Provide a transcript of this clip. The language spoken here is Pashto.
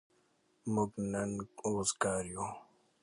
موږ نن وزگار يو.